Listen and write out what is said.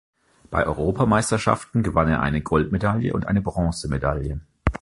Bei Europameisterschaften gewann er eine Goldmedaille und eine Bronzemedaille.